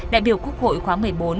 đại biểu quốc hội khóa một mươi bốn